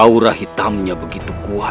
aura hitamnya begitu kuat